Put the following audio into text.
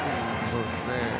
そうですね。